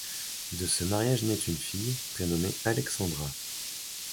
De ce mariage naît une fille, prénommée Alexandra.